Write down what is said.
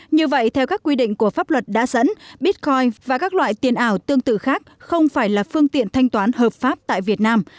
như vậy theo các quy định của pháp luật đã dẫn bitcoin và các loại tiền ảo tương tự khác không phải là phương tiện thanh toán hợp pháp tại việt nam